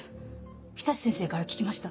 常陸先生から聞きました。